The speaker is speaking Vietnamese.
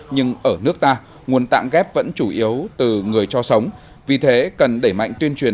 nhưng ở nước ta nguồn tạng ghép vẫn chủ yếu từ người cho sống vì thế cần đẩy mạnh tuyên truyền